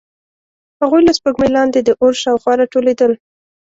هغوی له سپوږمۍ لاندې د اور شاوخوا راټولېدل.